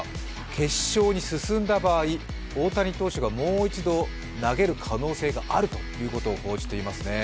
決勝に進んだ場合、大谷投手がもう一度投げる可能性があるということを報じています。